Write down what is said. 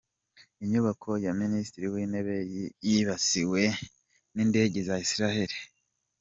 Inyubako ya Minisitiri w’Intebe yibasiwe n’Indege za Isiraheli